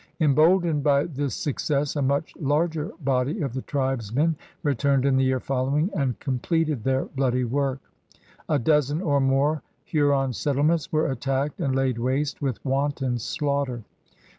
Emboldened by this success, a much larger body of the tribesmen returned in the year following and completed their bloody work. A dozen or more Huron settlements were attacked and laid waste with wanton slaughter.